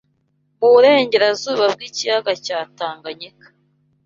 mu burengerazuba bw’ikiyaga cya Tanganyika